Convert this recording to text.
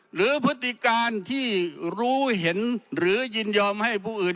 พฤติการที่รู้เห็นหรือยินยอมให้ผู้อื่น